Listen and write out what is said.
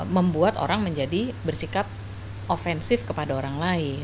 membuat orang menjadi bersikap ofensif kepada orang lain